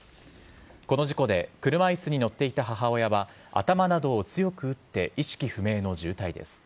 この事故で車椅子に乗っていた母親は頭などを強く打って意識不明の重体です。